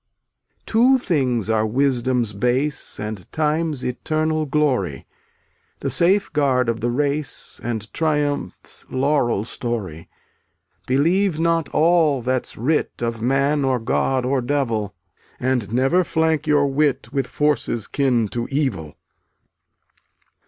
Two things are wisdom's base And time's eternal glory, The safeguard of the race And triumph's laurel story: Believe not all that's writ Of man or god or devil, And never flank your wit With forces kin to evil.